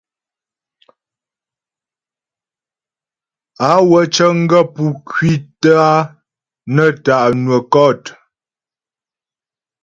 Á wə cə̀ŋ gaə̂ pú ŋkwítə a nə tá' nwə́ kɔ̂t.